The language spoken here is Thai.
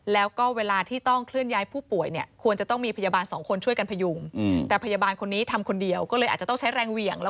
แล้วก็เวลาที่ต้องเคลื่อนย้ายผู้ป่วยเนี่ย